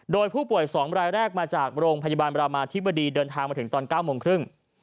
โดยผู้ป่วย๒รายแรกมาจากโรงพยาบาลบรามาธิบดีเดินทางมาถึงตอน๙โมงครึ่ง